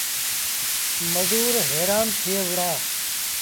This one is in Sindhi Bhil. مزور هيرآن ٿئي وُهڙآ۔